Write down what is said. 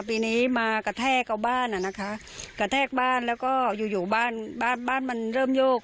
ปีนี้มากระแทกเขาบ้านอ่ะนะคะกระแทกบ้านแล้วก็อยู่อยู่บ้านบ้านมันเริ่มโยก